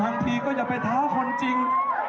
บางทีก็อย่าไปท้าคนจริง